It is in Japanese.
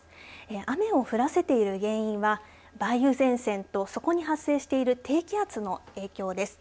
雨を降らせている原因は梅雨前線とそこに発生している低気圧の影響です。